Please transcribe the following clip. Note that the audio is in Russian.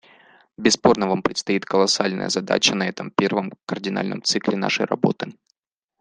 Бесспорно, вам предстоит колоссальная задача на этом первом, кардинальном цикле нашей работы.